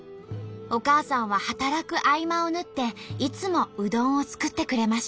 お母さんは働く合間を縫っていつもうどんを作ってくれました。